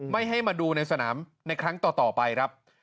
ไม่ให้มาดูในสนามในครั้งต่อไปครับ